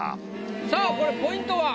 さあこれポイントは？